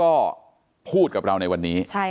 เป็นวันที่๑๕ธนวาคมแต่คุณผู้ชมค่ะกลายเป็นวันที่๑๕ธนวาคม